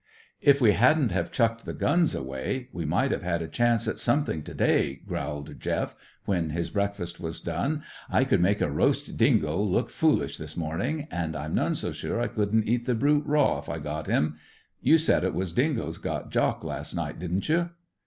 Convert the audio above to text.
"If we hadn't have chucked the guns away we might have got a chance at something to day," growled Jeff, when his breakfast was done. "I could make a roast dingo look foolish this morning, and I'm none so sure I couldn't eat the brute raw if I got him. You said it was dingoes got Jock last night, didn't you?"